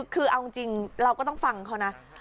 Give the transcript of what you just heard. คือเอาจริงเราก็ต้องฟังเขานะ